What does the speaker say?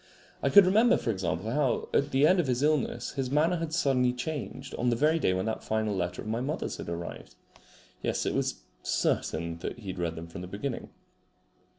I could remember, for example, how at the end of his illness his manner had suddenly changed on the very day when that final letter of my mother's had arrived. Yes, it was certain that he had read them from the beginning.